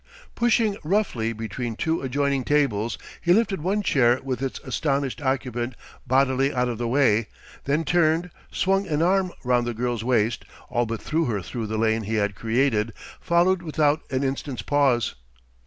Pushing roughly between two adjoining tables, he lifted one chair with its astonished occupant bodily out of the way, then turned, swung an arm round the girl's waist, all but threw her through the lane he had created, followed without an instant's pause.